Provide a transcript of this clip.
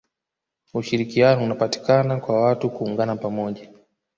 ushirikiano unapatikana kwa watu kuungana pamoja